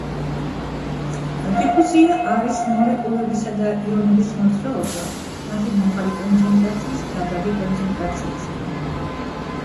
დიფუზია არის მოლეკულებისა და იონების მოძრაობა მათი მაღალი კონცენტრაციის დაბალი კონცენტრაციისკენ.